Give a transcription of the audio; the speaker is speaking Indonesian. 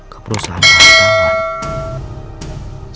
ke perusahaan yang dia kawan